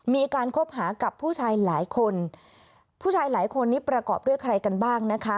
คบหากับผู้ชายหลายคนผู้ชายหลายคนนี้ประกอบด้วยใครกันบ้างนะคะ